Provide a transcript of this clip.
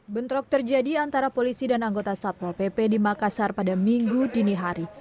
bentrok terjadi antara polisi dan anggota satpol pp di makassar pada minggu dini hari